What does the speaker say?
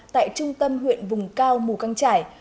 tại trung tâm huyện vùng cao mù căng trải